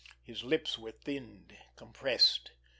His lips were thinned, compressed.